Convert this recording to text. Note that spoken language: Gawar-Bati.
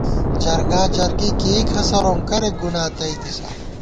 جرگا جرگی کېئ کھسَروم کرېک گُنا تئیتِسہ